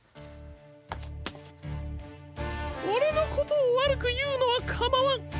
オレのことをわるくいうのはかまわん。